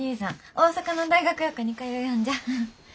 大阪の大学予科に通よんじゃ。